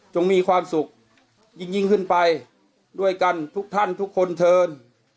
มีความสุขยิ่งขึ้นไปด้วยกันทุกท่านทุกคนเทิน